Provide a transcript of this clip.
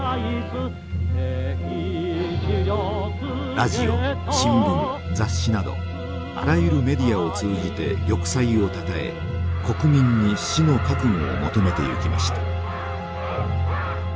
ラジオ新聞雑誌などあらゆるメディアを通じて玉砕をたたえ国民に死の覚悟を求めていきました。